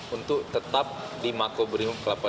untuk tetap di mako brimob kelapa dua